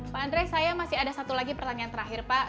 pak andre saya masih ada satu lagi pertanyaan terakhir pak